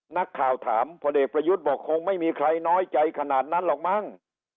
นักข่าวถามพลเอกประยุทธ์บอกคงไม่มีใครน้อยใจขนาดนั้นหรอกมั้ง